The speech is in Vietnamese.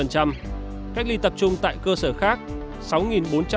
cách ly tập trung tại cơ sở khác sáu bốn trăm sáu mươi chín người chiếm ba mươi một